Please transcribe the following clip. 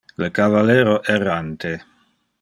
Le cavallero errante.